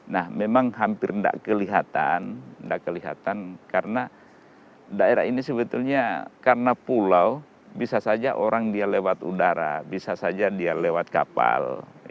nah memang hampir tidak kelihatan karena daerah ini sebetulnya karena pulau bisa saja orang dia lewat udara bisa saja dia lewat kapal